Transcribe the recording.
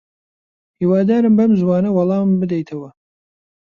هیوادارم بەم زووانە وەڵامم بدەیتەوە.